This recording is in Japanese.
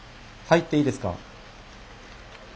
入っていいですか？